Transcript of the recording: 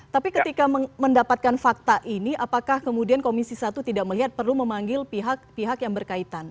tapi ketika mendapatkan fakta ini apakah kemudian komisi satu tidak melihat perlu memanggil pihak pihak yang berkaitan